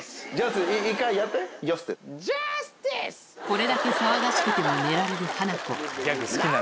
これだけ騒がしくても寝られるハナコ